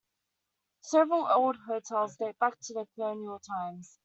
Several old hotels date back to colonial times.